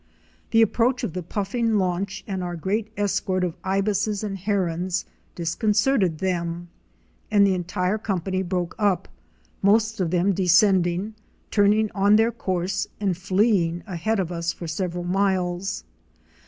The approach of the puffing launch and our great escort of Ibises and Herons disconcerted them and the entire com pany broke up, most of them descending, turning on their course and fleeing ahead of us for several miles.